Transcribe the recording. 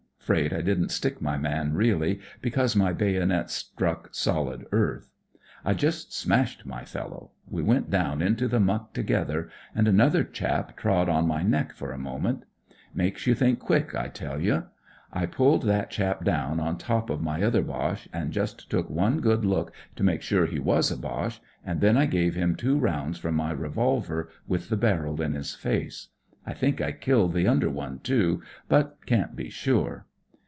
'Fraid I didn't stick my man, really, because my bayonet struck solid earth. I just smashed my fellow. We went down into the muck together, and another chap trod on my neck for a moment. Makes you think quick, I tell you. I pulled that chap down on top of my iMMn WHAT IT'S LIKE IN THE PUSH 15 other Bjche, and just took one good look to make sure he was a Boche ; and then I gave him two rounds from my revolver, with the barrel in his face. I think I killed the under one too; but can't be sure.